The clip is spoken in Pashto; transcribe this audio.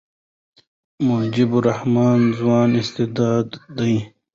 مجيب الرحمن ځوان استعداد دئ.